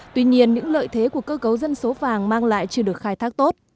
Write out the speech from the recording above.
tuy nhiên những lợi thế của cơ cấu dân số vàng mang lại chưa được khai thác tốt